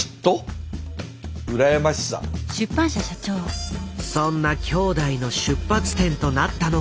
そんな兄弟の出発点となったのが。